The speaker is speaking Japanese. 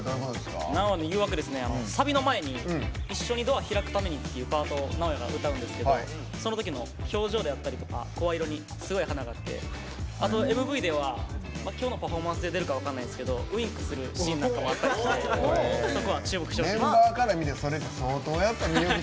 サビの前に「一緒にｄｏｏｒ開くために」というパートをＮＡＯＹＡが歌うんですけどそのときの表情だったりとか声色に、華があってＭＶでは今日のパフォーマンスで出るか分かんないですけどウインクするシーンもあってそこは注目してほしいです。